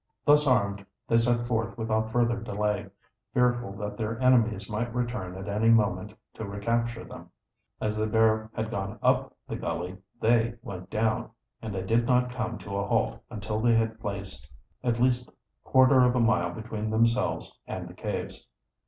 Thus armed they set forth without further delay, fearful that their enemies might return at any moment to recapture them. As the bear had gone up the gully they went down, and they did not come to a halt until they had placed at least quarter of a mile between themselves and the caves.